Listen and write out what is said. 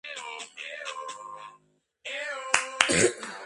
სწორედ იოლანდამ მოახერხა თავისი ვაჟისათვის ბარის საჰერცოგოს ხელში ჩაგდება.